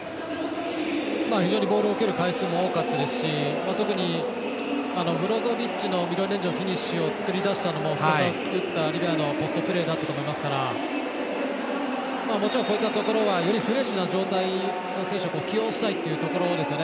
非常にボールを受ける回数も多かったですしブロゾビッチのミドルレンジのフィニッシュを作り出したのもリバヤのポストプレーだったと思いますからもちろんこういったところはよりフレッシュな状態の選手を起用したいっていうところですよね。